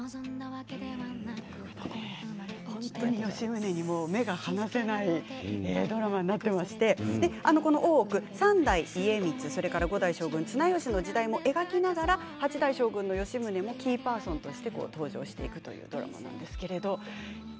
本当に吉宗に目が離せないドラマになっていましてこの「大奥」、３代家光、５代将軍綱吉の時代も描きながら８代将軍の吉宗もキーパーソンとして登場していくというドラマです。